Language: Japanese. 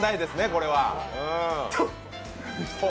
これは。